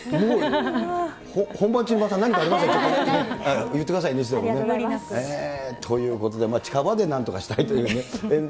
本番中に何かありましたら言ってくださいね。ということで、近場でなんとかしたいというね。